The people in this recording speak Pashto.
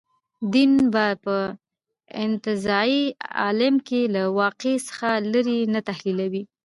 دین به په انتزاعي عالم کې له واقع څخه لرې نه تحلیلوو.